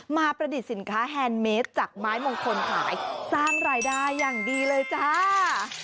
ประดิษฐ์สินค้าแฮนดเมสจากไม้มงคลขายสร้างรายได้อย่างดีเลยจ้า